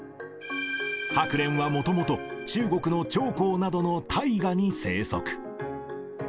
ハクレンはもともと中国の長江などの大河に生息。